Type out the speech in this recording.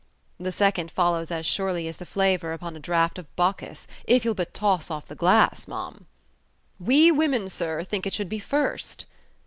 "The second follows as surely as the flavour upon a draught of Bacchus, if you'll but toss off the glass, ma'am." "We women, sir, think it should be first."